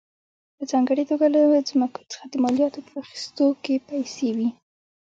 په ځانګړې توګه له ځمکو څخه د مالیاتو په اخیستو کې پیسې وې.